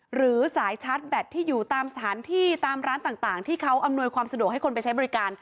หรือสายชาร์จแบตที่อยู่ตามสถานที่ตามร้านต่างที่เขาอำนวยความสะดวกให้คนไปใช้บริการ